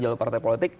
jalur partai politik